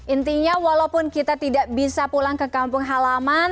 intinya walaupun kita tidak bisa pulang ke kampung halaman